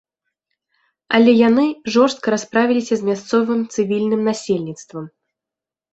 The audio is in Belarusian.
Але яны жорстка расправіліся з мясцовым цывільным насельніцтвам.